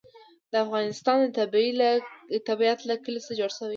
د افغانستان طبیعت له کلي څخه جوړ شوی دی.